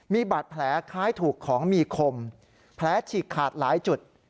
มีบาดแผลคล้ายถูกของมีคมแผลฉีกขาดหลายจุด